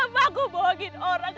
kenapa aku bohongin orang